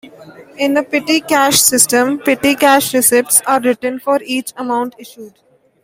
In a petty cash system, petty cash receipts are written for each amount issued.